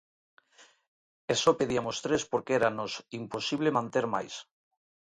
E só pediamos tres porque éranos imposible manter máis.